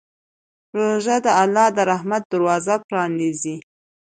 روژه د الله د رحمت دروازه پرانیزي.